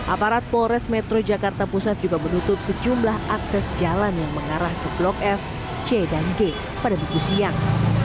aparat polres metro jakarta pusat juga menutup sejumlah akses jalan yang mengarah ke blok f c dan g pada minggu siang